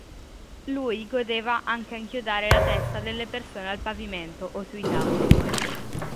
Lui godeva anche a inchiodare la testa delle persone al pavimento o sui tavoli.